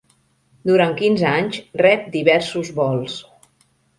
Durant quinze anys rep diversos vols.